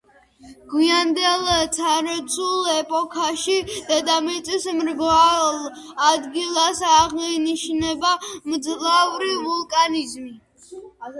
გვიანდელ ცარცულ ეპოქაში დედამიწის მრავალ ადგილას აღინიშნება მძლავრი ვულკანიზმი.